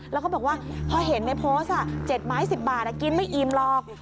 แล้วก็บอกว่าพอเห็นในโพสต์๗ไม้๑๐บาทกินไม่อิ่มหรอก